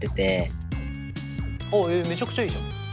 めちゃくちゃいいじゃん。